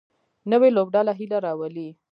نوې لوبډله هیله راولي